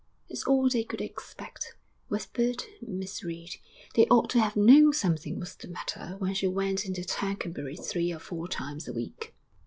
'It's all they could expect,' whispered Miss Reed. 'They ought to have known something was the matter when she went into Tercanbury three or four times a week.'